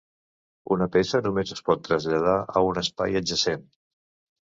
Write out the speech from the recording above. Una peça només es pot traslladar a un espai adjacent.